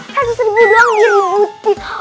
satu seribu doang dirimuti